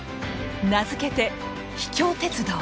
名付けて「秘境鉄道」。